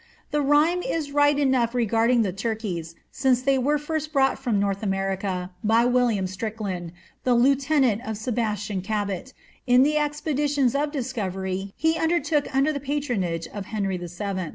The rhyme is right enough regarding the torkeys, since they were first brought from North America, by William Stricklandi^ the lieutenant of Sebastian Cabot, in the expeditions of dis coTery he undertook under the patronage of Henry VII.